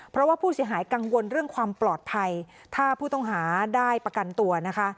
เพราะว่าผู้เสียหายกังวลเรื่องความปลอดภัยถ้าผู้ต้องหาได้ประกันตัวนะคะ